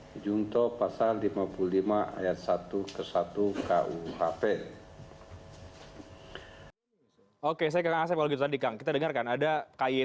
sedangkan pihak yang diduga sebagai pemberantasan tindak pidana korupsi